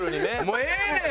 もうええねん！